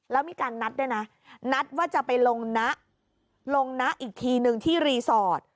แล้วมีการนัดด้วยนะนัดว่าจะไปลงนะลงนะอีกทีนึงที่รีสอร์ท